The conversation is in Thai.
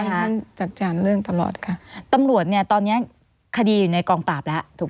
เต็มหลวดคดีอยู่ในกองปราบ